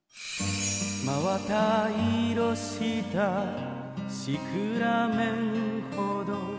「真綿色したシクラメンほど」